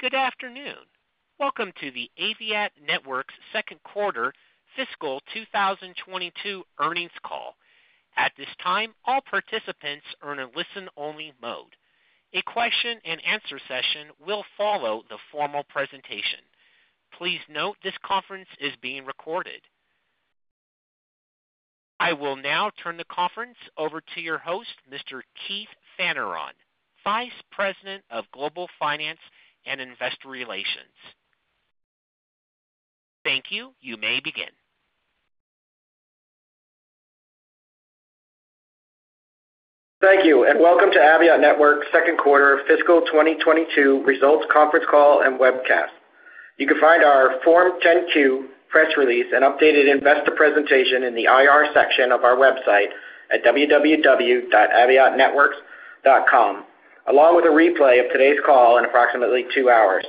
Good afternoon. Welcome to the Aviat Networks Second Quarter Fiscal 2022 Earnings Call. At this time, all participants are in a listen-only mode. A question-and-answer session will follow the formal presentation. Please note this conference is being recorded. I will now turn the conference over to your host, Mr. Keith Fanneron, Vice President of Global Finance and Investor Relations. Thank you. You may begin. Thank you, and welcome to Aviat Networks' Second Quarter Fiscal 2022 Results Conference Call and Webcast. You can find our Form 10-Q press release and updated investor presentation in the IR section of our website at www.aviatnetworks.com, along with a replay of today's call in approximately two hours.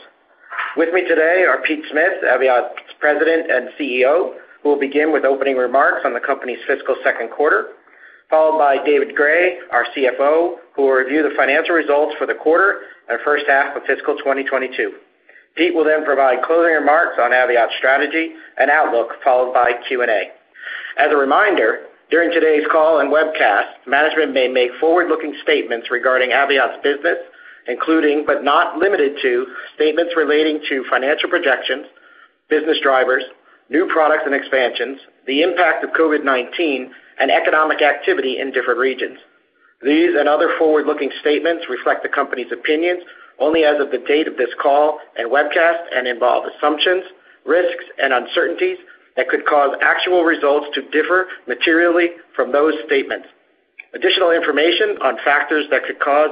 With me today are Pete Smith, Aviat's President and CEO, who will begin with opening remarks on the company's fiscal second quarter, followed by David Gray, our CFO, who will review the financial results for the quarter and first half of fiscal 2022. Pete will then provide closing remarks on Aviat's strategy and outlook, followed by Q&A. As a reminder, during today's call and webcast, management may make forward-looking statements regarding Aviat's business, including but not limited to statements relating to financial projections, business drivers, new products and expansions, the impact of COVID-19, and economic activity in different regions. These and other forward-looking statements reflect the company's opinions only as of the date of this call and webcast and involve assumptions, risks, and uncertainties that could cause actual results to differ materially from those statements. Additional information on factors that could cause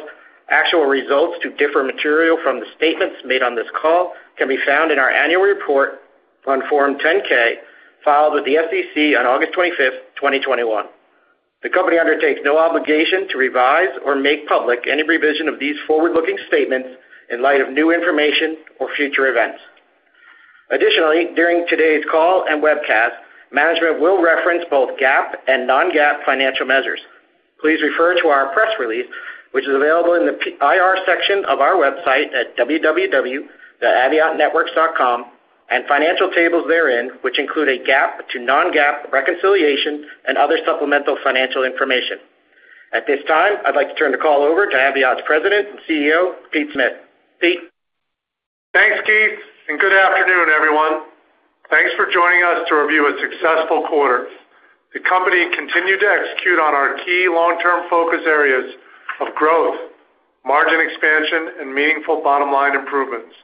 actual results to differ materially from the statements made on this call can be found in our annual report on Form 10-K, filed with the SEC on August 25th, 2021. The company undertakes no obligation to revise or make public any revision of these forward-looking statements in light of new information or future events. Additionally, during today's call and webcast, management will reference both GAAP and non-GAAP financial measures. Please refer to our press release, which is available in the IR section of our website at www.aviatnetworks.com and financial tables therein, which include a GAAP to non-GAAP reconciliation and other supplemental financial information. At this time, I'd like to turn the call over to Aviat's President and CEO, Pete Smith. Pete? Thanks, Keith, and good afternoon, everyone. Thanks for joining us to review a successful quarter. The company continued to execute on our key long-term focus areas of growth, margin expansion, and meaningful bottom-line improvements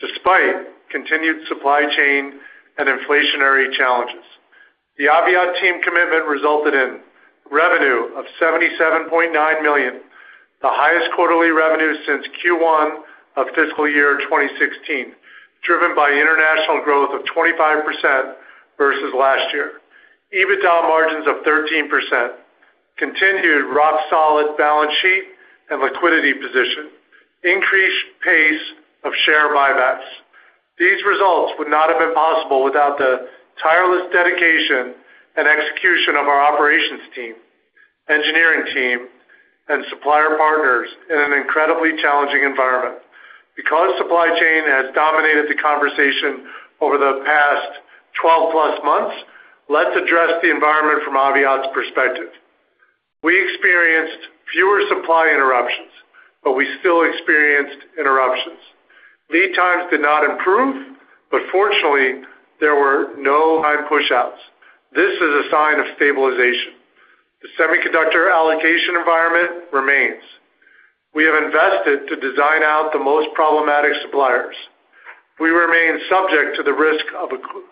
despite continued supply chain and inflationary challenges. The Aviat team commitment resulted in revenue of $77.9 million, the highest quarterly revenue since Q1 of fiscal year 2016, driven by international growth of 25% versus last year. EBITDA margins of 13% continued rock-solid balance sheet and liquidity position, increased pace of share buybacks. These results would not have been possible without the tireless dedication and execution of our operations team, engineering team, and supplier partners in an incredibly challenging environment. Because supply chain has dominated the conversation over the past 12+ months, let's address the environment from Aviat's perspective. We experienced fewer supply interruptions, but we still experienced interruptions. Lead times did not improve, but fortunately, there were no time pushouts. This is a sign of stabilization. The semiconductor allocation environment remains. We have invested to design out the most problematic suppliers. We remain subject to the risk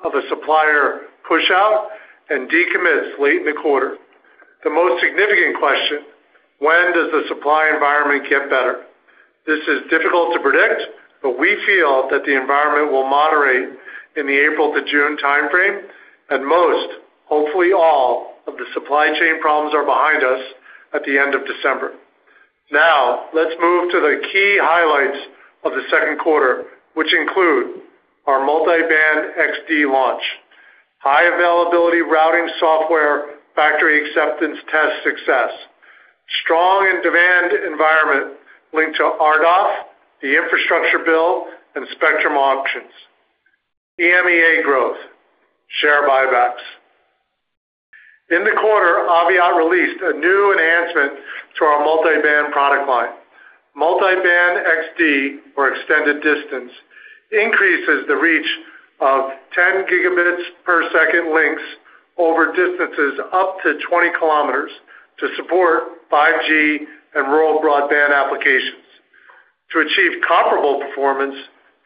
of a supplier pushout and decommits late in the quarter. The most significant question: When does the supply environment get better? This is difficult to predict, but we feel that the environment will moderate in the April-June timeframe, and most, hopefully all, of the supply chain problems are behind us at the end of December. Now, let's move to the key highlights of the second quarter, which include our Multi-Band XD launch, high availability routing software factory acceptance test success, strong demand environment linked to RDOF, the infrastructure bill, and spectrum auctions, EMEA growth, share buybacks. In the quarter, Aviat released a new enhancement to our Multi-Band product line. Multi-Band XD, or extended distance, increases the reach of 10 Gbps links over distances up to 20 km to support 5G and rural broadband applications. To achieve comparable performance,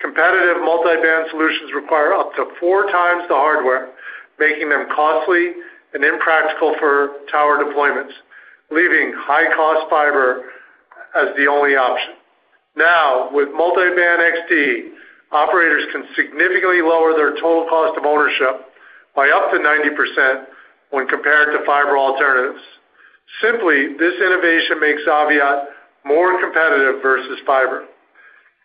competitive Multi-Band solutions require up to four times the hardware, making them costly and impractical for tower deployments, leaving high-cost fiber as the only option. Now, with Multi-Band XD, operators can significantly lower their total cost of ownership by up to 90% when compared to fiber alternatives. Simply, this innovation makes Aviat more competitive versus fiber.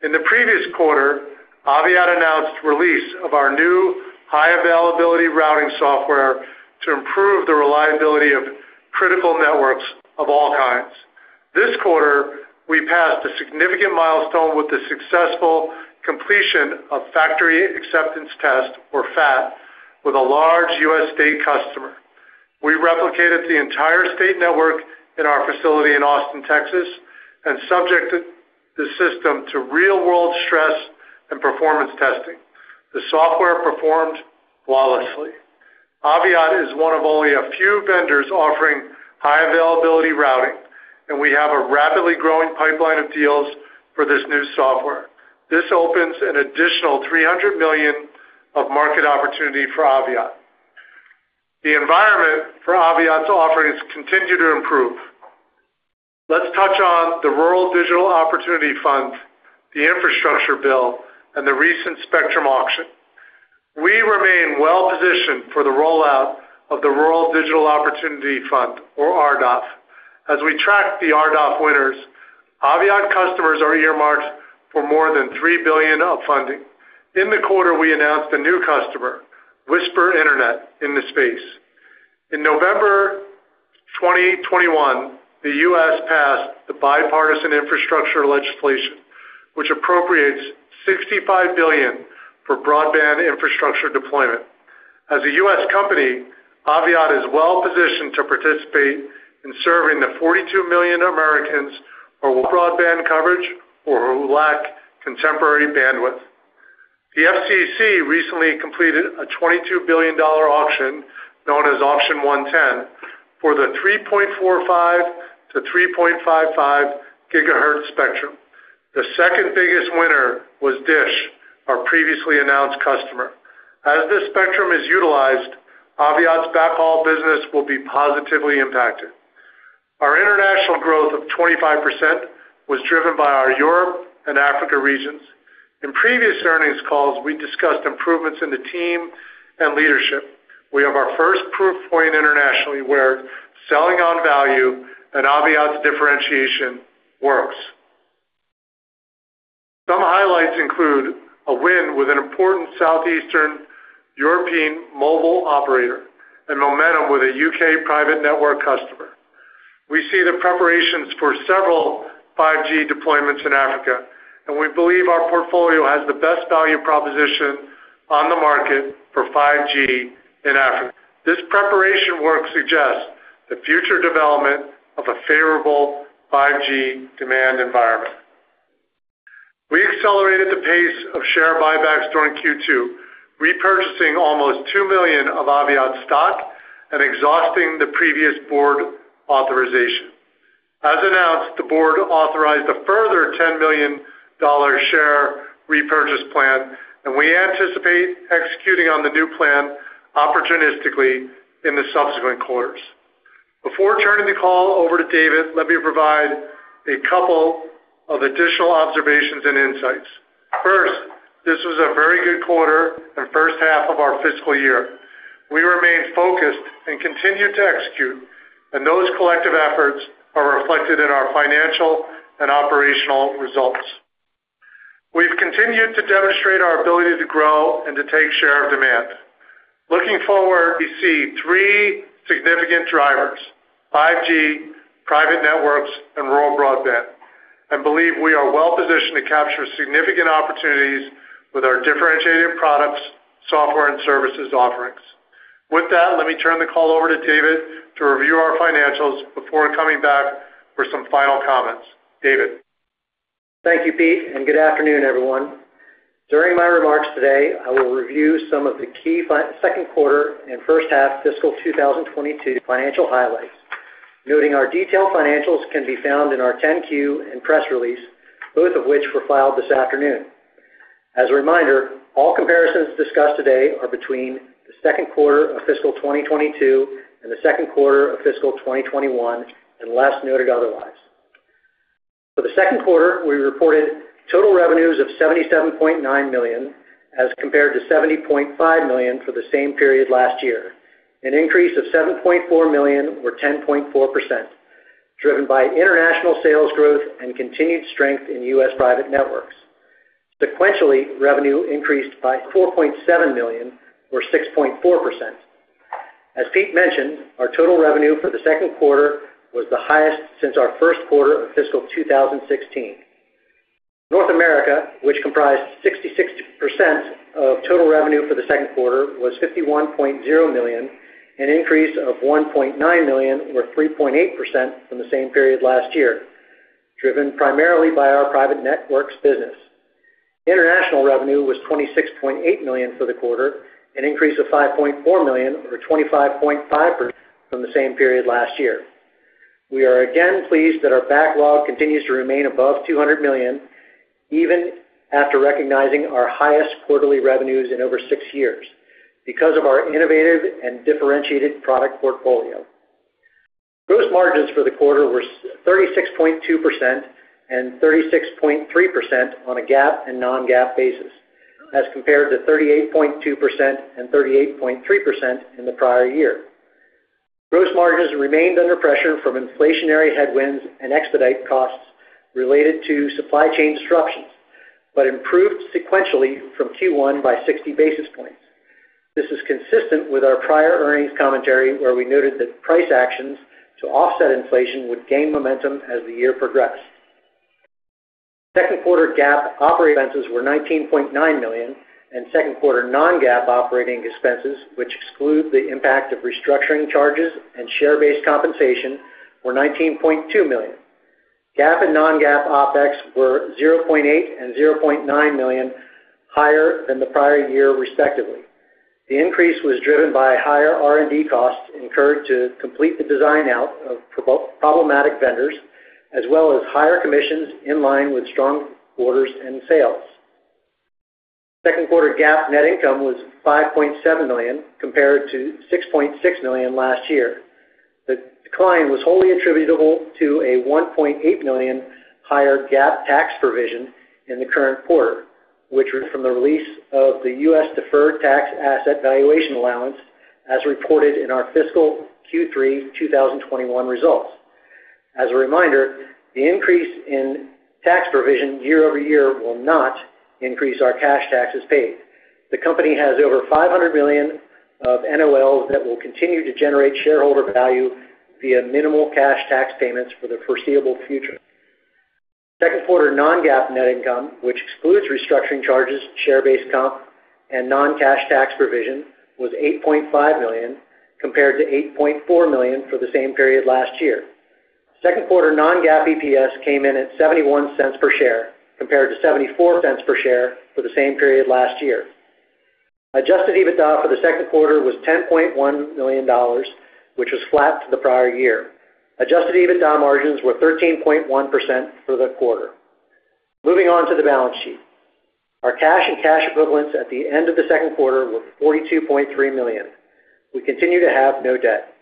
In the previous quarter, Aviat announced release of our new high availability routing software to improve the reliability of critical networks of all kinds. This quarter, we passed a significant milestone with the successful completion of Factory Acceptance Test, or FAT, with a large U.S. state customer. We replicated the entire state network in our facility in Austin, Texas, and subjected the system to real-world stress and performance testing. The software performed flawlessly. Aviat is one of only a few vendors offering high availability routing, and we have a rapidly growing pipeline of deals for this new software. This opens an additional $300 million of market opportunity for Aviat. The environment for Aviat's offerings continue to improve. Let's touch on the Rural Digital Opportunity Fund, the infrastructure bill, and the recent spectrum auction. We remain well-positioned for the rollout of the Rural Digital Opportunity Fund, or RDOF. As we track the RDOF winners, Aviat customers are earmarked for more than $3 billion of funding. In the quarter, we announced a new customer, Wisper Internet, in the space. In November 2021, the U.S. passed the Bipartisan Infrastructure Legislation, which appropriates $65 billion for broadband infrastructure deployment. As a U.S. company, Aviat is well-positioned to participate in serving the 42 million Americans with broadband coverage or who lack contemporary bandwidth. The FCC recently completed a $22 billion auction, known as Auction 110, for the 3.45 GHz-3.55 GHz spectrum. The second biggest winner was DISH, our previously announced customer. As this spectrum is utilized, Aviat's backhaul business will be positively impacted. Our international growth of 25% was driven by our Europe and Africa regions. In previous earnings calls, we discussed improvements in the team and leadership. We have our first proof point internationally where selling on value and Aviat's differentiation works. Some highlights include a win with an important Southeastern European mobile operator and momentum with a U.K. private network customer. We see the preparations for several 5G deployments in Africa, and we believe our portfolio has the best value proposition on the market for 5G in Africa. This preparation work suggests the future development of a favorable 5G demand environment. We accelerated the pace of share buybacks during Q2, repurchasing almost 2 million of Aviat stock and exhausting the previous board authorization. As announced, the board authorized a further $10 million share repurchase plan, and we anticipate executing on the new plan opportunistically in the subsequent quarters. Before turning the call over to David, let me provide a couple of additional observations and insights. First, this was a very good quarter and first half of our fiscal year. We remain focused and continue to execute, and those collective efforts are reflected in our financial and operational results. We've continued to demonstrate our ability to grow and to take share of demand. Looking forward, we see three significant drivers, 5G, private networks, and rural broadband, and believe we are well-positioned to capture significant opportunities with our differentiated products, software, and services offerings. With that, let me turn the call over to David to review our financials before coming back for some final comments. David? Thank you, Pete, and good afternoon, everyone. During my remarks today, I will review some of the key second quarter and first half fiscal 2022 financial highlights, noting our detailed financials can be found in our 10-Q and press release, both of which were filed this afternoon. As a reminder, all comparisons discussed today are between the second quarter of fiscal 2022 and the second quarter of fiscal 2021, unless noted otherwise. For the second quarter, we reported total revenues of $77.9 million, as compared to $70.5 million for the same period last year, an increase of $7.4 million or 10.4%, driven by international sales growth and continued strength in U.S. private networks. Sequentially, revenue increased by $4.7 million or 6.4%. As Pete mentioned, our total revenue for the second quarter was the highest since our first quarter of fiscal 2016. North America, which comprised 66% of total revenue for the second quarter, was $51.0 million, an increase of $1.9 million or 3.8% from the same period last year, driven primarily by our private networks business. International revenue was $26.8 million for the quarter, an increase of $5.4 million or 25.5% from the same period last year. We are again pleased that our backlog continues to remain above $200 million, even after recognizing our highest quarterly revenues in over six years, because of our innovative and differentiated product portfolio. Gross margins for the quarter were 36.2% and 36.3% on a GAAP and non-GAAP basis as compared to 38.2% and 38.3% in the prior-year. Gross margins remained under pressure from inflationary headwinds and expedite costs related to supply chain disruptions, but improved sequentially from Q1 by 60 basis points. This is consistent with our prior earnings commentary, where we noted that price actions to offset inflation would gain momentum as the year progressed. Second quarter GAAP operating expenses were $19.9 million, and second quarter non-GAAP operating expenses, which exclude the impact of restructuring charges and share-based compensation, were $19.2 million. GAAP and non-GAAP OpEx were $0.8 million and $0.9 million higher than the prior-year, respectively. The increase was driven by higher R&D costs incurred to complete the design out of problematic vendors as well as higher commissions in line with strong orders and sales. Second quarter GAAP net income was $5.7 million compared to $6.6 million last year. The decline was wholly attributable to a $1.8 million higher GAAP tax provision in the current quarter, which was from the release of the U.S. deferred tax asset valuation allowance as reported in our fiscal Q3 2021 results. As a reminder, the increase in tax provision year-over-year will not increase our cash taxes paid. The company has over $500 million of NOLs that will continue to generate shareholder value via minimal cash tax payments for the foreseeable future. Second quarter non-GAAP net income, which excludes restructuring charges, share-based comp, and non-cash tax provision, was $8.5 million compared to $8.4 million for the same period last year. Second quarter non-GAAP EPS came in at $0.71 per share compared to $0.74 per share for the same period last year. Adjusted EBITDA for the second quarter was $10.1 million, which was flat to the prior-year. Adjusted EBITDA margins were 13.1% for the quarter. Moving on to the balance sheet. Our cash and cash equivalents at the end of the second quarter were $42.3 million. We continue to have no debt.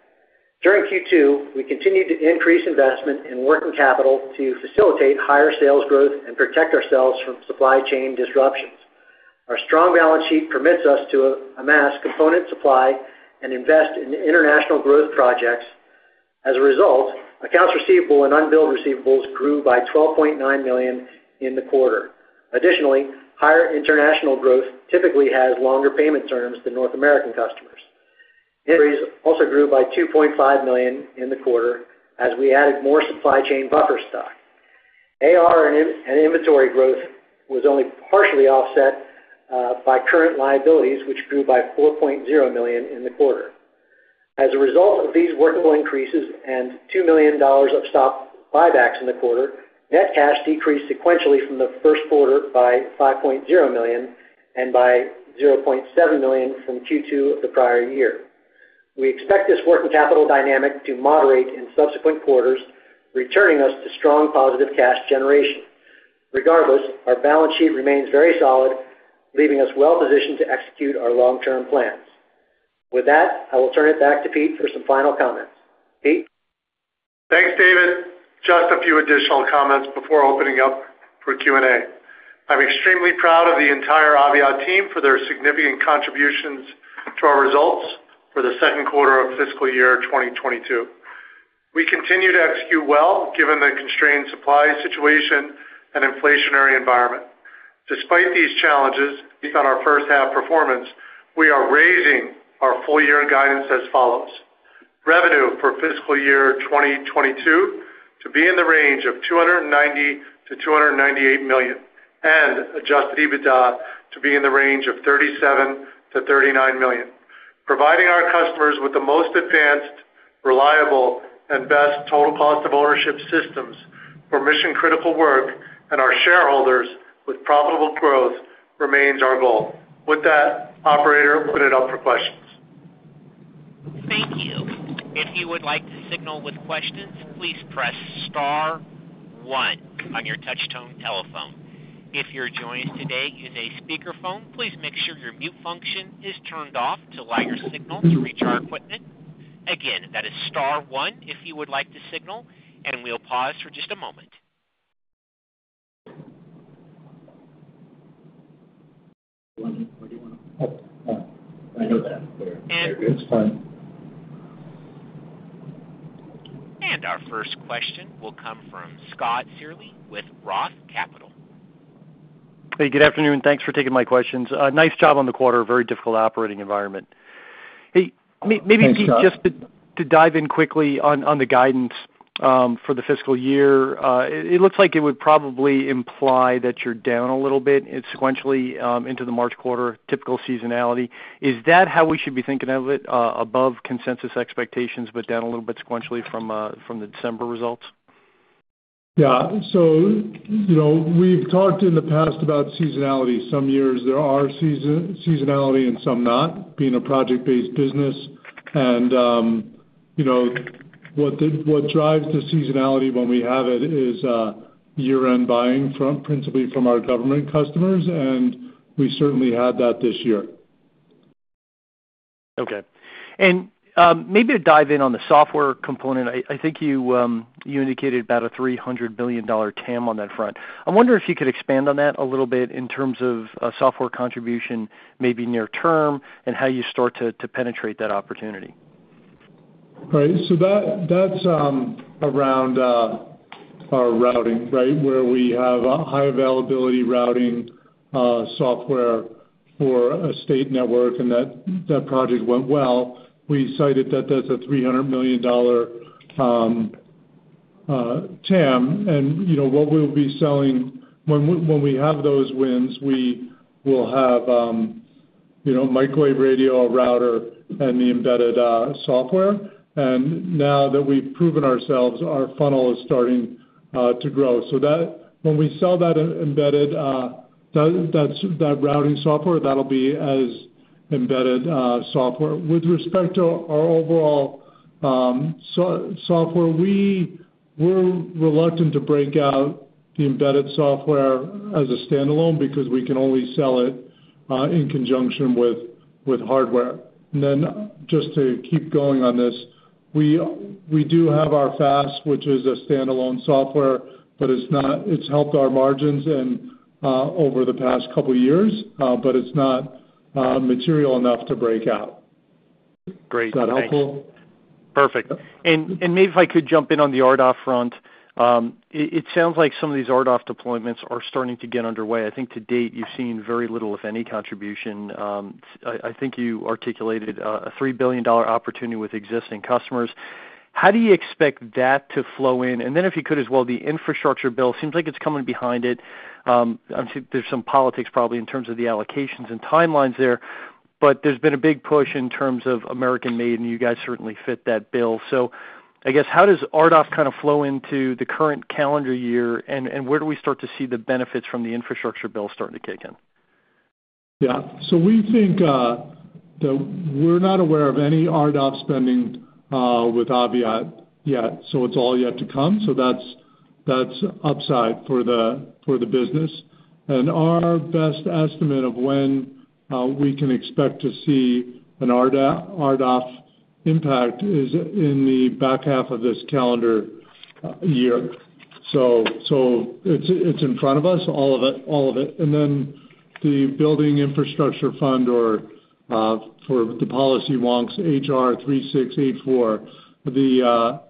During Q2, we continued to increase investment in working capital to facilitate higher sales growth and protect ourselves from supply chain disruptions. Our strong balance sheet permits us to amass component supply and invest in international growth projects. As a result, accounts receivable and unbilled receivables grew by $12.9 million in the quarter. Additionally, higher international growth typically has longer payment terms than North American customers. Also grew by $2.5 million in the quarter as we added more supply chain buffer stock. AR and inventory growth was only partially offset by current liabilities, which grew by $4.0 million in the quarter. As a result of these working capital increases and $2 million of stock buybacks in the quarter, net cash decreased sequentially from the first quarter by $5.0 million and by $0.7 million from Q2 of the prior-year. We expect this working capital dynamic to moderate in subsequent quarters, returning us to strong positive cash generation. Regardless, our balance sheet remains very solid, leaving us well positioned to execute our long-term plans. With that, I will turn it back to Pete for some final comments. Pete? Thanks, David. Just a few additional comments before opening up for Q&A. I'm extremely proud of the entire Aviat team for their significant contributions to our results for the second quarter of fiscal year 2022. We continue to execute well given the constrained supply situation and inflationary environment. Despite these challenges based on our first half performance, we are raising our full-year guidance as follows. Revenue for fiscal year 2022 to be in the range of $290 million-$298 million, and adjusted EBITDA to be in the range of $37 million-$39 million. Providing our customers with the most advanced, reliable, and best total cost of ownership systems for mission-critical work and our shareholders with profitable growth remains our goal. With that, operator, open it up for questions. Thank you. If you would like to signal with questions, please press star one on your touchtone telephone. If you're joining us today using a speakerphone, please make sure your mute function is turned off to allow your signal to reach our equipment. Again, that is star one if you would like to signal, and we'll pause for just a moment. Our first question will come from Scott Searle with Roth Capital. Hey, good afternoon, and thanks for taking my questions. Nice job on the quarter. Very difficult operating environment. Hey, maybe, Pete, just to dive in quickly on the guidance for the fiscal year, it looks like it would probably imply that you're down a little bit sequentially into the March quarter, typical seasonality. Is that how we should be thinking of it, above consensus expectations, but down a little bit sequentially from the December results? Yeah. You know, we've talked in the past about seasonality. Some years there are seasonality and some not, being a project-based business. You know, what drives the seasonality when we have it is year-end buying principally from our government customers, and we certainly had that this year. Okay. Maybe to dive in on the software component. I think you indicated about a $300 billion TAM on that front. I wonder if you could expand on that a little bit in terms of software contribution maybe near term and how you start to penetrate that opportunity. Right. That's around our routing, right? Where we have High Availability routing software for a state network, and that project went well. We cited that that's a $300 million TAM. You know, what we'll be selling when we have those wins, we will have you know, microwave radio router and the embedded software. Now that we've proven ourselves, our funnel is starting to grow. That's when we sell that embedded routing software, that'll be as embedded software. With respect to our overall software, we're reluctant to break out the embedded software as a standalone because we can only sell it in conjunction with hardware. Just to keep going on this, we do have our FAS, which is a standalone software, but it's not. It's helped our margins and over the past couple years, but it's not material enough to break out. Great. Is that helpful? Perfect. Maybe if I could jump in on the RDOF front. It sounds like some of these RDOF deployments are starting to get underway. I think to-date, you've seen very little, if any, contribution. I think you articulated a $3 billion opportunity with existing customers. How do you expect that to flow in? If you could as well, the infrastructure bill seems like it's coming behind it. I'm sure there's some politics probably in terms of the allocations and timelines there, but there's been a big push in terms of American made, and you guys certainly fit that bill. I guess, how does RDOF kinda flow into the current calendar year, and where do we start to see the benefits from the infrastructure bill starting to kick in? Yeah. We think that we're not aware of any RDOF spending with Aviat yet, so it's all yet to come. That's upside for the business. Our best estimate of when we can expect to see an RDOF impact is in the back half of this calendar year. It's in front of us, all of it. Then the broadband infrastructure fund or, for the policy wonks, H.R. 3684,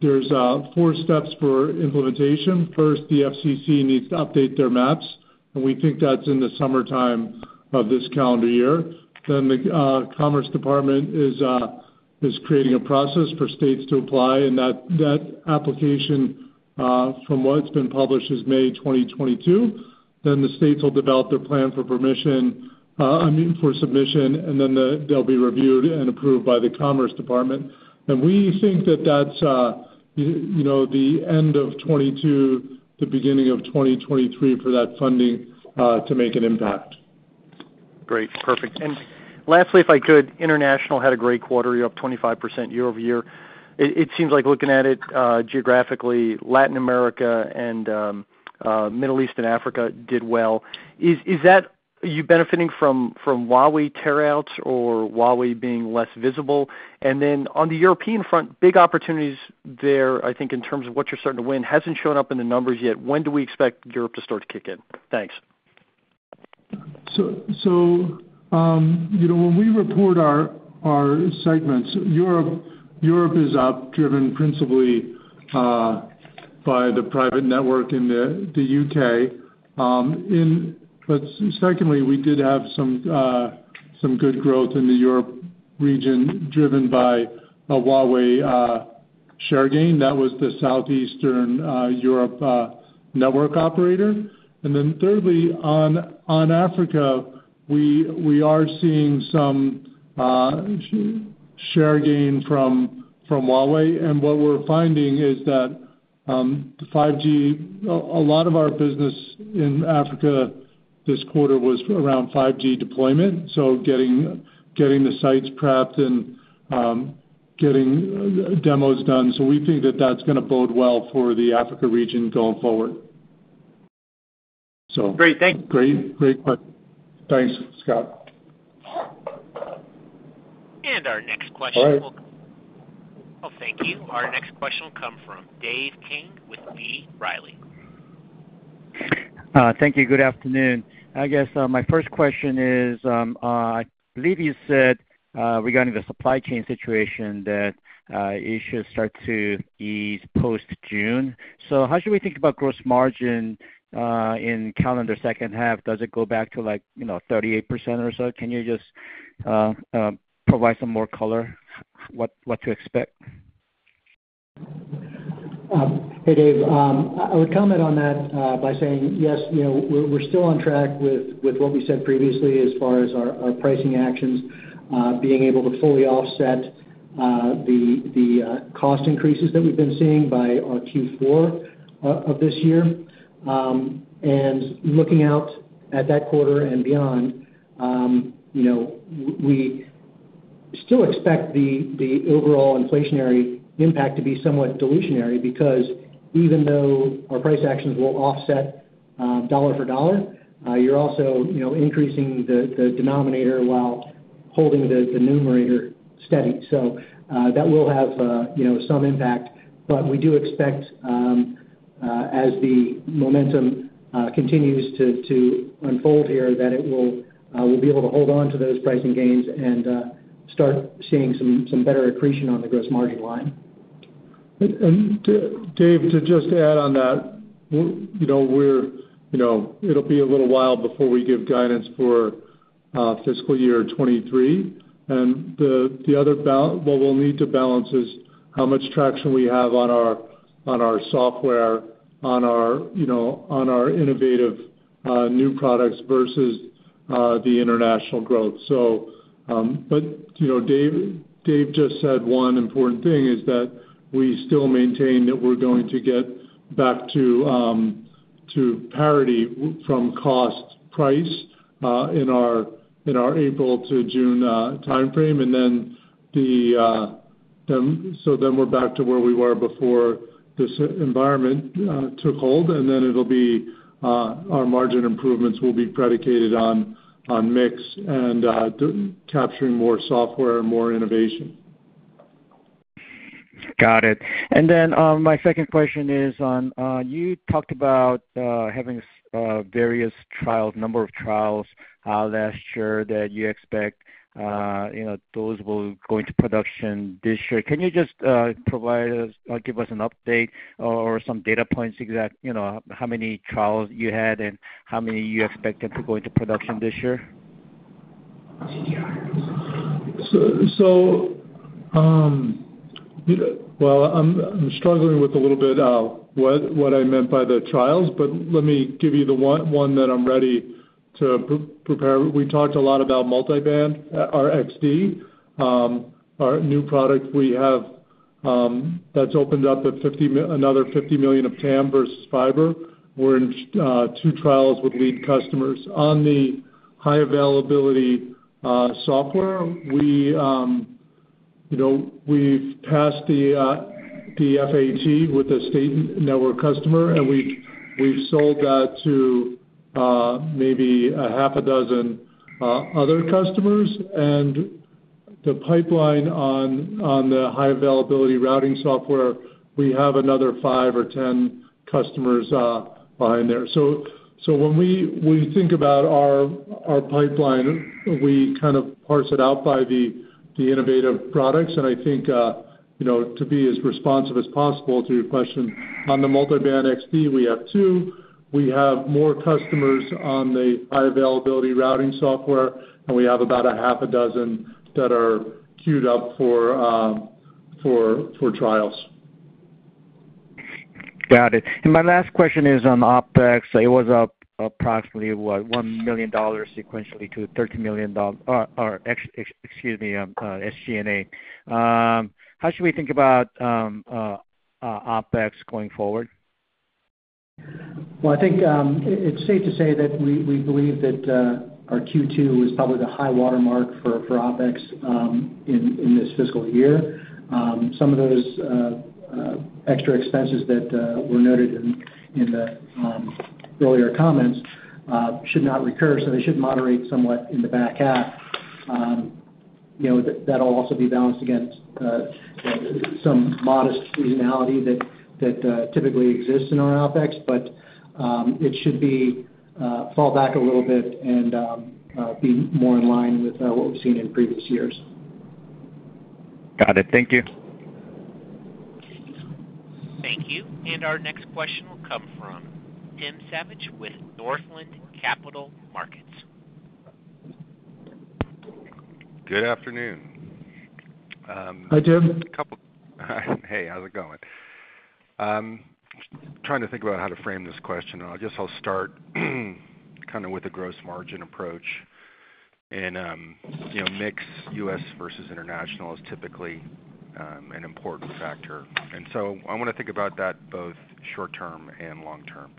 there's four steps for implementation. First, the FCC needs to update their maps, and we think that's in the summertime of this calendar year. The Commerce Department is creating a process for states to apply, and that application, from what's been published, is May 2022. The states will develop their plan for permission, I mean, for submission, and then they'll be reviewed and approved by the Commerce Department. We think that that's, you know, the end of 2022 to the beginning of 2023 for that funding to make an impact. Great. Perfect. Lastly, if I could, international had a great quarter. You're up 25% year-over-year. It seems like looking at it, geographically, Latin America and Middle East and Africa did well. Is that you benefiting from Huawei tear-outs or Huawei being less visible? Then on the European front, big opportunities there, I think, in terms of what you're starting to win hasn't shown up in the numbers yet. When do we expect Europe to start to kick in? Thanks. You know, when we report our segments, Europe is up, driven principally by the private network in the U.K. Secondly, we did have some good growth in the Europe region driven by a Huawei share gain, that was the Southeastern Europe network operator. Then thirdly, on Africa, we are seeing some share gain from Huawei. What we're finding is that a lot of our business in Africa this quarter was around 5G deployment, so getting the sites prepped and getting demos done. We think that that's gonna bode well for the Africa region going forward. Great. Thank you. Great. Great question. Thanks, Scott. Our next question will. All right. Oh, thank you. Our next question will come from Dave Kang with B. Riley. Thank you. Good afternoon. I guess my first question is, I believe you said regarding the supply chain situation that it should start to ease post-June. How should we think about gross margin in calendar second half? Does it go back to like, you know, 38% or so? Can you just provide some more color on what to expect? Hey, Dave. I would comment on that by saying yes, you know, we're still on track with what we said previously as far as our pricing actions being able to fully offset the cost increases that we've been seeing by Q4 of this year. Looking out at that quarter and beyond, you know, we still expect the overall inflationary impact to be somewhat dilutionary because even though our price actions will offset dollar-for-dollar, you're also, you know, increasing the denominator while holding the numerator steady. That will have, you know, some impact. We do expect as the momentum continues to unfold here, we'll be able to hold on to those pricing gains and start seeing some better accretion on the gross margin line. Dave, to just add on that, you know, we're, you know, it'll be a little while before we give guidance for fiscal year 2023. The other what we'll need to balance is how much traction we have on our software, you know, on our innovative new products versus the international growth. You know, David just said one important thing is that we still maintain that we're going to get back to parity from cost price in our April to June timeframe. Then we're back to where we were before this environment took hold. It'll be our margin improvements will be predicated on mix and capturing more software and more innovation. Got it. My second question is on you talked about having various trials, number of trials last year that you expect, you know, those will go into production this year. Can you just provide us or give us an update or some data points, exact, you know, how many trials you had and how many you expected to go into production this year? Well, I'm struggling with a little bit what I meant by the trials, but let me give you the one that I'm ready to prepare. We talked a lot about Multi-Band, our XD, our new product we have, that's opened up another $50 million of TAM versus fiber. We're in two trials with lead customers. On the High Availability software, you know, we've passed the FAT with a state network customer, and we've sold that to maybe a half a dozen other customers. The pipeline on the high availability routing software, we have another five or 10 customers behind there. When we think about our pipeline, we kind of parse it out by the innovative products. I think, you know, to be as responsive as possible to your question, on the Multi-Band XD, we have two. We have more customers on the high availability routing software, and we have about half a dozen that are queued up for trials. Got it. My last question is on OpEx. It was up approximately, what, $1 million sequentially to $30 million or SG&A. How should we think about OpEx going forward? Well, I think it's safe to say that we believe that our Q2 is probably the high watermark for OpEx in this fiscal year. Some of those extra expenses that were noted in the earlier comments should not recur, so they should moderate somewhat in the back half. You know, that'll also be balanced against some modest seasonality that typically exists in our OpEx. It should fall back a little bit and be more in line with what we've seen in previous years. Got it. Thank you. Thank you. Our next question will come from Tim Savageaux with Northland Capital Markets. Good afternoon. Hi, Tim. Hey, how's it going? I'm trying to think about how to frame this question, and I guess I'll start kind of with the gross margin approach. You know, mix U.S. versus international is typically an important factor. I wanna think about that both short term and long term.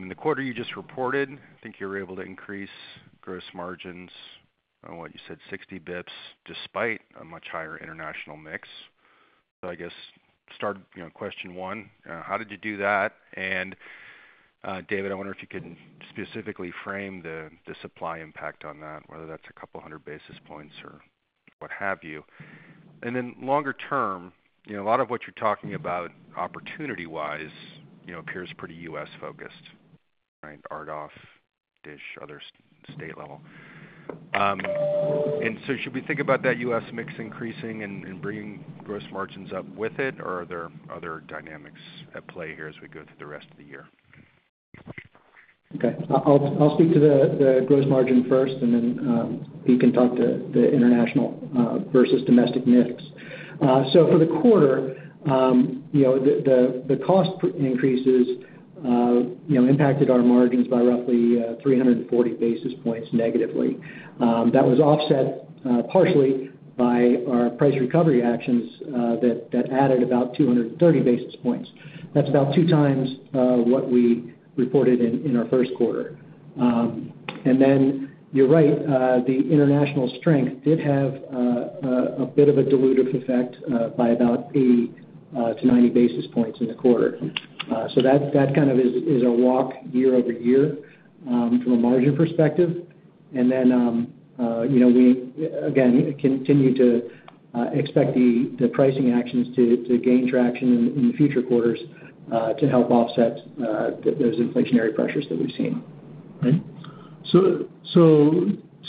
In the quarter you just reported, I think you were able to increase gross margins by what you said 60 basis points, despite a much higher international mix. I guess start, you know, question one, how did you do that? David, I wonder if you can specifically frame the supply impact on that, whether that's a couple hundred basis points or what have you. Longer term, you know, a lot of what you're talking about opportunity-wise, you know, appears pretty U.S.-focused, right? RDOF, DISH, other state level. Should we think about that U.S. mix increasing and bringing gross margins up with it, or are there other dynamics at play here as we go through the rest of the year? Okay. I'll speak to the gross margin first, and then Pete can talk to the international versus domestic mix. For the quarter, you know, the cost increases you know impacted our margins by roughly 340 basis points negatively. That was offset partially by our price recovery actions that added about 230 basis points. That's about 2x what we reported in our first quarter. You're right, the international strength did have a bit of a dilutive effect by about 80-90 basis points in the quarter. That kind of is a walk year-over-year from a margin perspective. You know, we again continue to expect the pricing actions to gain traction in future quarters to help offset those inflationary pressures that we've seen. Right?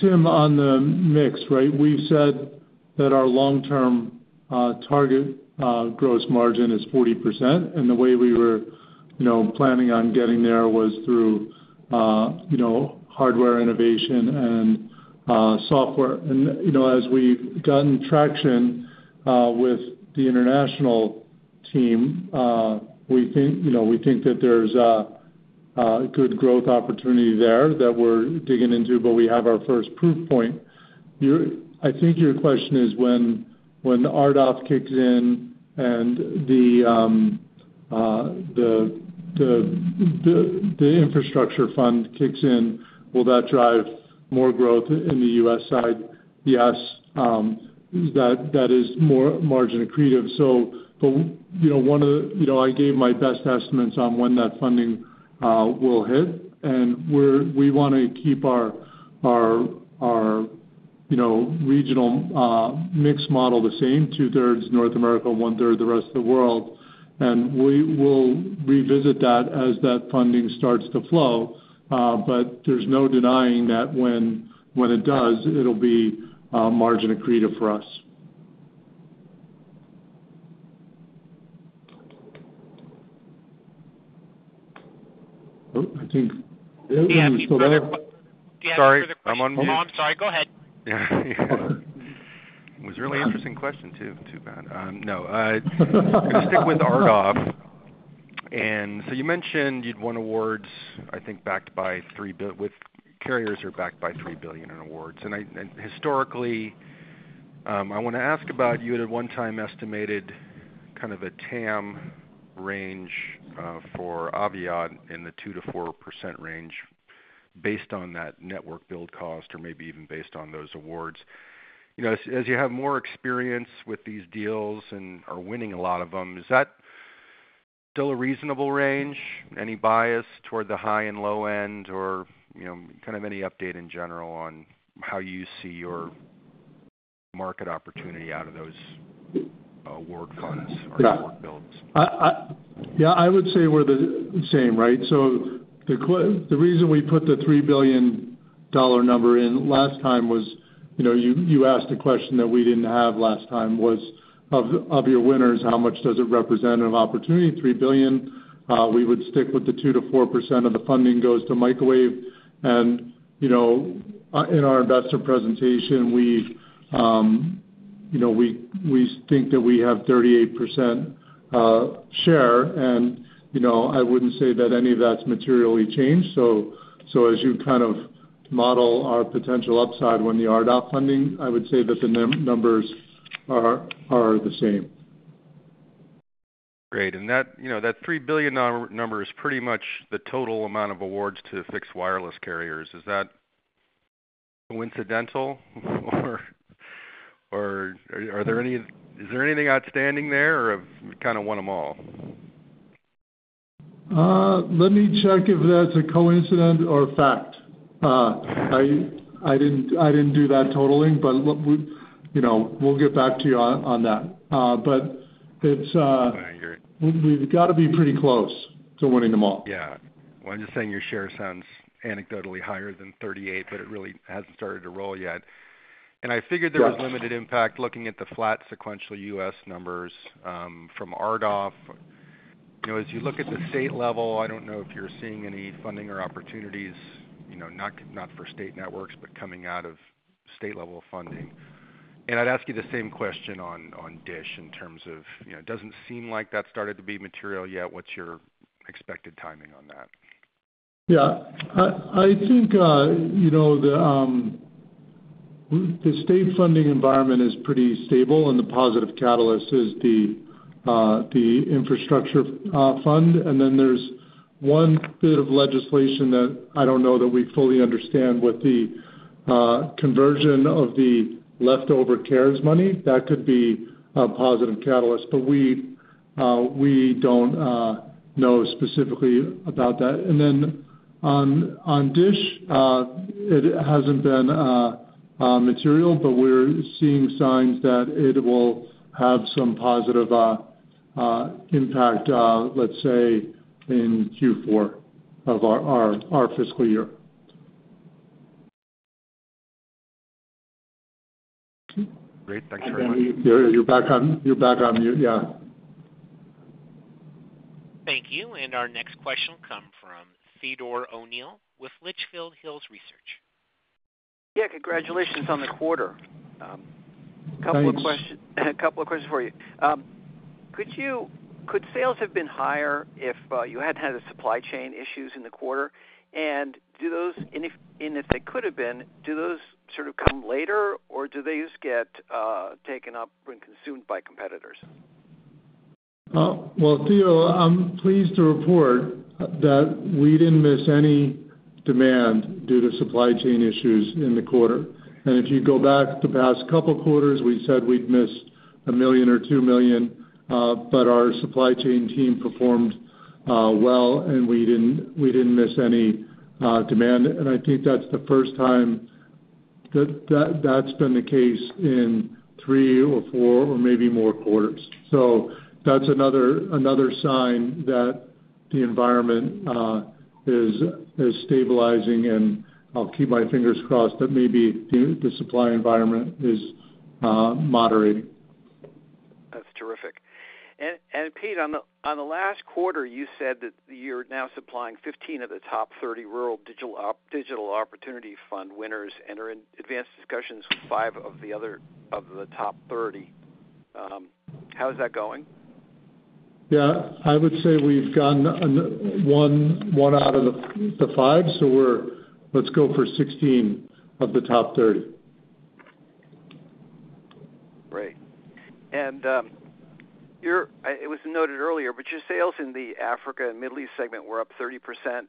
Tim, on the mix, right? We've said that our long-term target gross margin is 40%, and the way we were you know planning on getting there was through you know hardware innovation and software. You know, as we've gotten traction with the international team, we think you know we think that there's a good growth opportunity there that we're digging into, but we have our first proof point. I think your question is when RDOF kicks in and the infrastructure fund kicks in, will that drive more growth in the U.S. side? Yes, that is more margin accretive. You know, one of the, you know, I gave my best estimates on when that funding will hit, and we wanna keep our you know, regional mix model the same, 2/3 North America, 1/3 the rest of the world. We will revisit that as that funding starts to flow, but there's no denying that when it does, it'll be margin accretive for us. Oh, I think Sorry, I'm on mute. Oh, I'm sorry, go ahead. It was a really interesting question too. Too bad. No, gonna stick with RDOF. You mentioned you'd won awards, I think backed by with carriers or backed by $3 billion in awards. Historically, I wanna ask about you at one time estimated kind of a TAM range for Aviat in the 2%-4% range based on that network build cost or maybe even based on those awards. You know, as you have more experience with these deals and are winning a lot of them, is that still a reasonable range? Any bias toward the high and low-end or, you know, kind of any update in general on how you see your market opportunity out of those award funds or award builds? Yeah, I would say we're the same, right? The reason we put the $3 billion number in last time was, you know, you asked a question that we didn't have last time, was of your winners, how much does it represent an opportunity? $3 billion. We would stick with the 2%-4% of the funding goes to microwave. You know, in our investor presentation, we think that we have 38% share and, you know, I wouldn't say that any of that's materially changed. As you kind of model our potential upside when the RDOF funding, I would say that the numbers are the same. Great. That, you know, that $3 billion number is pretty much the total amount of awards to fixed wireless carriers. Is that coincidental or is there anything outstanding there or have you kinda won 'em all? Let me check if that's a coincidence or fact. I didn't do that totaling, but what we, you know, we'll get back to you on that. But it's I agree. We've gotta be pretty close to winning them all. Yeah. Well, I'm just saying your share sounds anecdotally higher than 38%, but it really hasn't started to roll yet. Yeah. I figured there was limited impact looking at the flat sequential U.S. numbers from RDOF. You know, as you look at the state level, I don't know if you're seeing any funding or opportunities, you know, not for state networks, but coming out of state-level funding. I'd ask you the same question on DISH in terms of, you know, it doesn't seem like that's started to be material yet. What's your expected timing on that? Yeah. I think you know the state funding environment is pretty stable and the positive catalyst is the infrastructure fund. There's one bit of legislation that I don't know that we fully understand with the conversion of the leftover CARES money. That could be a positive catalyst, but we don't know specifically about that. On DISH, it hasn't been material, but we're seeing signs that it will have some positive impact, let's say, in Q4 of our fiscal year. Great. Thanks very much. You, you're back on mute. Yeah. Thank you. Our next question will come from Theodore O'Neill with Litchfield Hills Research. Yeah. Congratulations on the quarter. Thanks. Couple of questions for you. Could sales have been higher if you hadn't had the supply chain issues in the quarter? If they could have been, do those sort of come later or do these get taken up and consumed by competitors? Well, Theo, I'm pleased to report that we didn't miss any demand due to supply chain issues in the quarter. If you go back the past couple quarters, we said we'd missed $1 million or $2 million, but our supply chain team performed well, and we didn't miss any demand. I think that's the first time that's been the case in three or four or maybe more quarters. That's another sign that the environment is stabilizing, and I'll keep my fingers crossed that maybe the supply environment is moderating. That's terrific. Pete, on the last quarter, you said that you're now supplying 15 of the top 30 Rural Digital Opportunity Fund winners and are in advanced discussions with five of the other of the top 30. How is that going? Yeah, I would say we've gotten one out of the five, so let's go for 16 of the top 30. Great. It was noted earlier, but your sales in the Africa and Middle East segment were up 30%,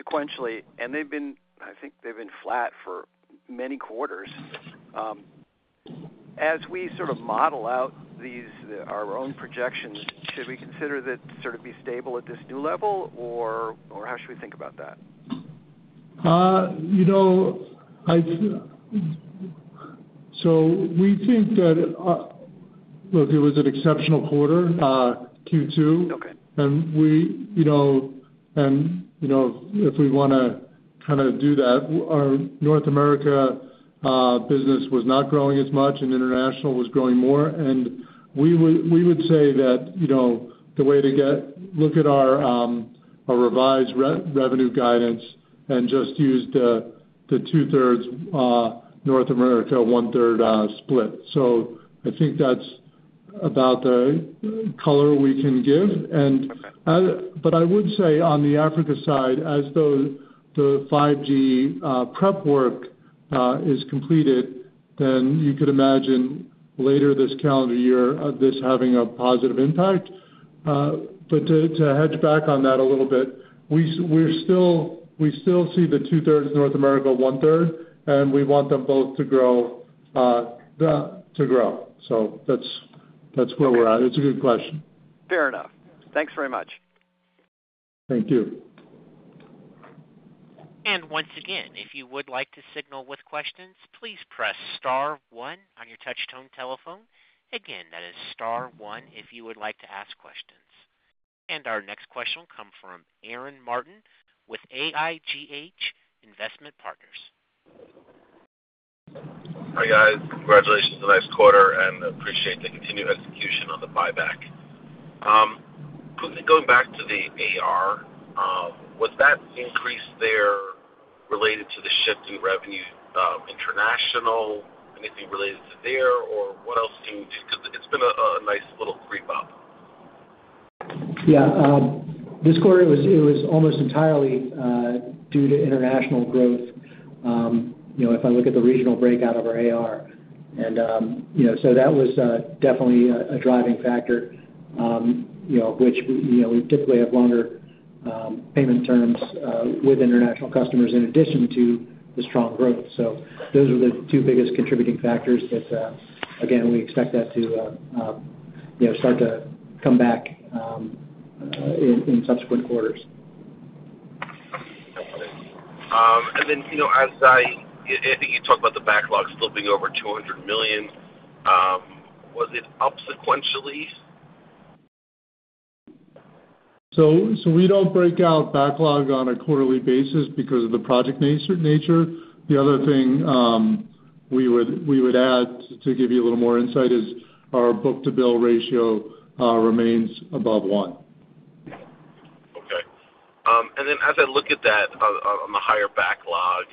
sequentially, and they've been, I think they've been flat for many quarters. As we sort of model out these, our own projections, should we consider that to sort of be stable at this new level, or how should we think about that? You know, we think that, look, it was an exceptional quarter, Q2. Okay. We, you know, if we wanna kinda do that, our North America business was not growing as much and international was growing more. We would say that, you know, the way to look at our revised revenue guidance and just use the 2/3 North America, 1/3 split. I think that's about the color we can give. But I would say on the Africa side, as the 5G prep work is completed, then you could imagine later this calendar year of this having a positive impact. But to hedge back on that a little bit, we still see the 2/3 North America, 1/3, and we want them both to grow. That's where we're at. It's a good question. Fair enough. Thanks very much. Thank you. Once again, if you would like to signal with questions, please press star one on your touch tone telephone. Again, that is star one if you would like to ask questions. Our next question will come from Aaron Martin with AIGH Investment Partners. Hi, guys. Congratulations on the nice quarter. I appreciate the continued execution on the buyback. Quickly going back to the AR, was that increase there related to the shift in revenue, international, anything related to there, or what else do you, 'cause it's been a nice little creep up. Yeah. This quarter it was almost entirely due to international growth, you know, if I look at the regional breakout of our AR. That was definitely a driving factor, you know, which we typically have longer payment terms with international customers in addition to the strong growth. Those are the two biggest contributing factors that again we expect that to start to come back, you know, in subsequent quarters. You know, I think you talked about the backlog flipping over $200 million. Was it up sequentially? We don't break out backlog on a quarterly basis because of the project nature. The other thing we would add to give you a little more insight is our book-to-bill ratio remains above one. Okay. As I look at that on the higher backlog,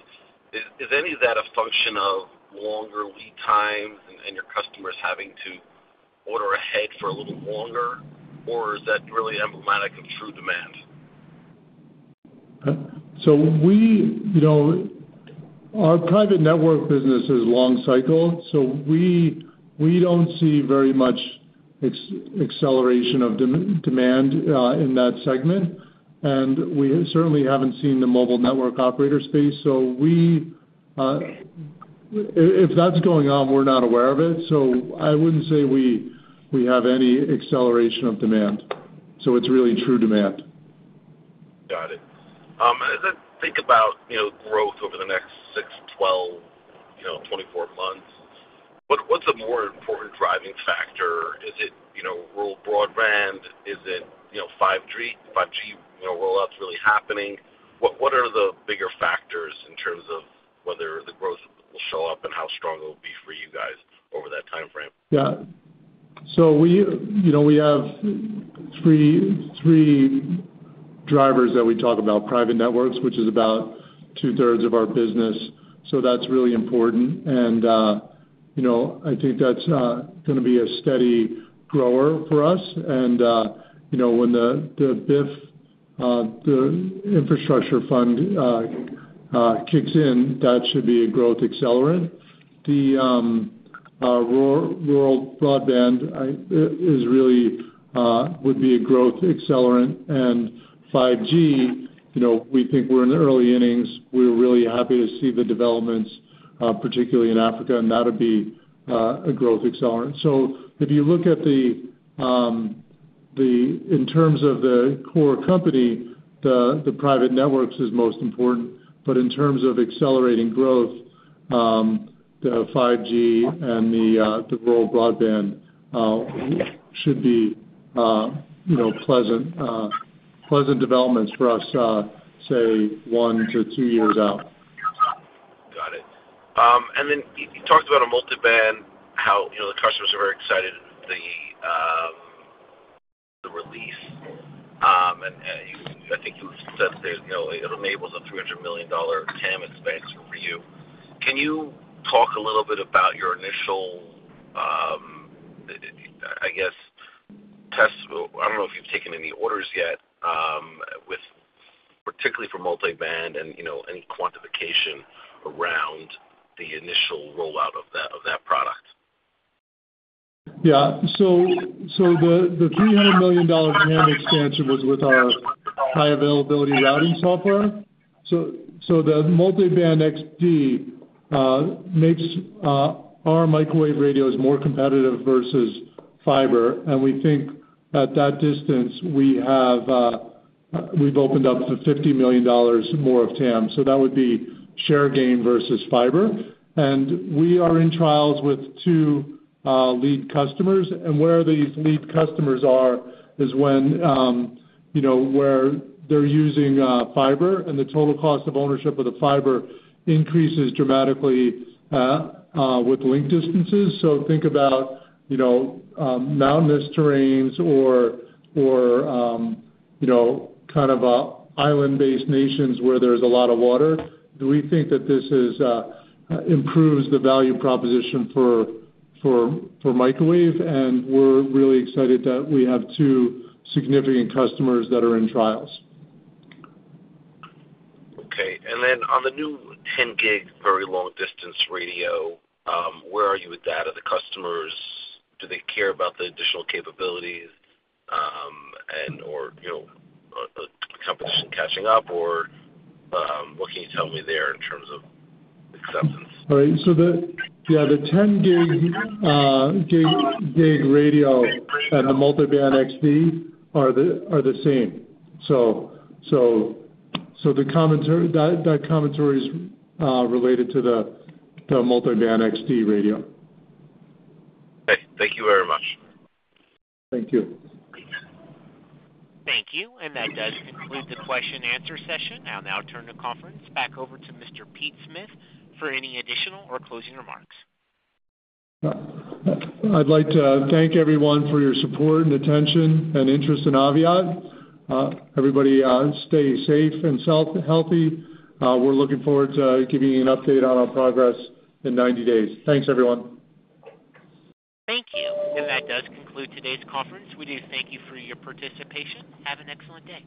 is any of that a function of longer lead times and your customers having to order ahead for a little longer, or is that really emblematic of true demand? We, you know, our private network business is long cycle, so we don't see very much acceleration of demand in that segment. We certainly haven't seen the mobile network operator space. If that's going on, we're not aware of it. I wouldn't say we have any acceleration of demand. It's really true demand. Got it. As I think about, you know, growth over the next six, 12, you know, 24 months, what's a more important driving factor? Is it, you know, rural broadband? Is it, you know, 5G rollouts really happening? What are the bigger factors in terms of whether the growth will show up and how strong it will be for you guys over that time frame? We have three drivers that we talk about: private networks, which is about 2/3 of our business, so that's really important. I think that's gonna be a steady grower for us. When the BIF, the infrastructure fund, kicks in, that should be a growth accelerant. The rural broadband would be a growth accelerant. 5G, we think we're in the early innings. We're really happy to see the developments, particularly in Africa, and that'll be a growth accelerant. If you look at the in terms of the core company, the private networks is most important, but in terms of accelerating growth, the 5G and the rural broadband should be, you know, pleasant developments for us, say 1-2 years out. Got it. You talked about a Multi-Band, how you know the customers are very excited the release. You I think you said that you know it enables a $300 million TAM expansion for you. Can you talk a little bit about your initial I guess test? Well, I don't know if you've taken any orders yet with particularly for Multi-Band and you know any quantification around the initial rollout of that product. Yeah. The $300 million TAM expansion was with our High Availability routing software. The Multi-Band XD makes our microwave radios more competitive versus fiber. We think at that distance we've opened up to $50 million more of TAM, so that would be share gain versus fiber. We are in trials with two lead customers. Where these lead customers are is when you know where they're using fiber and the total cost of ownership of the fiber increases dramatically with link distances. Think about you know mountainous terrains or you know kind of island-based nations where there's a lot of water. Do we think that this improves the value proposition for microwave? We're really excited that we have two significant customers that are in trials. Okay. Then on the new 10 Gbps very long distance radio, where are you with that? Do they care about the additional capabilities, and or you know competition catching up or, what can you tell me there in terms of acceptance? All right. The 10 Gbps radio and the Multi-Band XD are the same. That commentary is related to the Multi-Band XD radio. Okay. Thank you very much. Thank you. Thanks. Thank you. That does conclude the question-answer session. I'll now turn the conference back over to Mr. Pete Smith for any additional or closing remarks. I'd like to thank everyone for your support and attention and interest in Aviat. Everybody, stay safe and healthy. We're looking forward to giving you an update on our progress in 90 days. Thanks, everyone. Thank you. That does conclude today's conference. We do thank you for your participation. Have an excellent day.